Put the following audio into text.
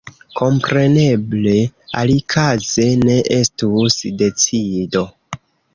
Kompreneble, alikaze ne estus decido.